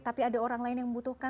tapi ada orang lain yang membutuhkan